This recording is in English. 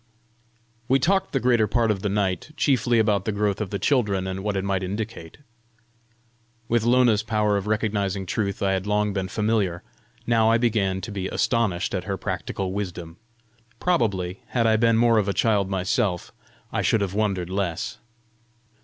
We talked the greater part of the night, chiefly about the growth of the children, and what it might indicate. With Lona's power of recognising truth I had long been familiar; now I began to be astonished at her practical wisdom. Probably, had I been more of a child myself, I should have wondered less.